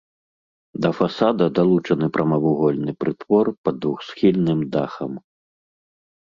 Да фасада далучаны прамавугольны прытвор пад двухсхільным дахам.